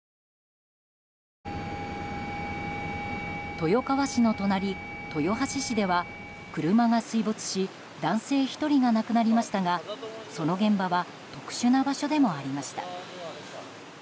豊川市の隣、豊橋市では車が水没し男性１人が亡くなりましたがその現場は特殊な場所でもありました。